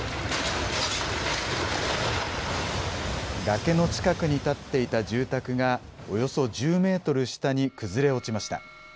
崖の近くに建っていた住宅が、およそ１０メートル下に崩れ落ちました。